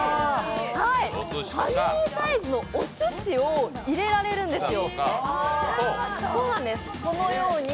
ファミリーサイズのおすしを入れられるんですよ。